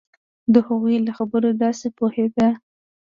د هغوی له خبرو داسې پوهېده.